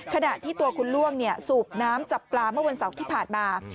ขณะที่ตัวคุณล่วงสูบน้ำจับปลาเมื่อวันเสาร์ที่ผ่านมา